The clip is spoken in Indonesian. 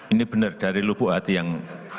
ini benar dari lubuk hati yang